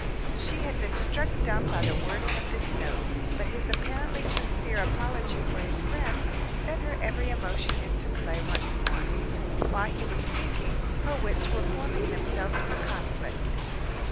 She had been struck dumb by the wording of the note, but his apparently sincere apology for his friend set her every emotion into play once more. While he was speaking, her wits were forming themselves for conflict.